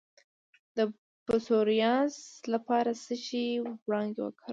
د پسوریازیس لپاره د څه شي وړانګې وکاروم؟